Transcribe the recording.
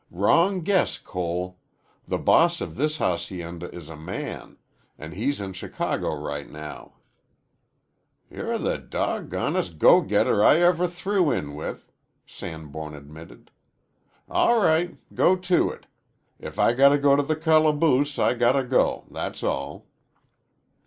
"Wrong guess, Cole. The boss of this hacienda is a man, an' he's in Chicago right now." "You're the dawg gonedest go getter I ever threw in with," Sanborn admitted. "All right. Go to it. If I gotta go to the calaboose I gotta go, that's all."